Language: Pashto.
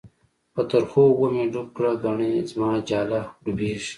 په ترخو اوبو می ډوب کړه، گڼی زماجاله ډوبیږی